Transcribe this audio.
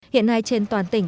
hiện nay trên toàn tỉnh